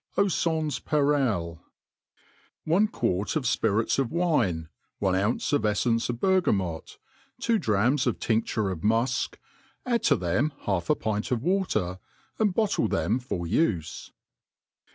* Eau fans PareiL OlfO'E quart of fpitlts bf wine, one bunce of eflence of 6er gamot, two drachms of tinfture of mdfk, add to them half a pint of water, and bottle therfi for ufe.